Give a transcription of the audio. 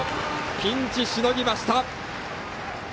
ピンチしのぎました。